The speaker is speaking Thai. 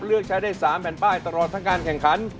เลือกใช้ได้๓แผ่นป้ายตลอดทั้งการแข่งขัน